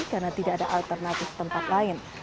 karena tidak ada alternatif tempat lain